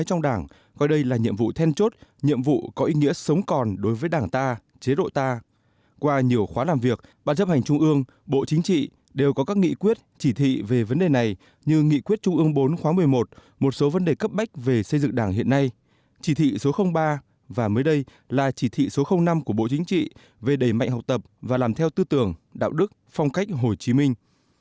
các hành trung ương bộ chính trị đều có các nghị quyết chỉ thị về vấn đề này như nghị quyết trung ương bốn khóa một mươi một một số vấn đề cấp bách về xây dựng đảng hiện nay chỉ thị số ba và mới đây là chỉ thị số năm của bộ chính trị về đầy mạnh học tập và làm theo tư tưởng đạo đức phong cách hồ chí minh